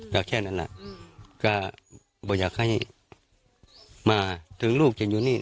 ก็แค่นั้นแหละก็บอกอยากให้มาถึงลูกจะอยู่นี่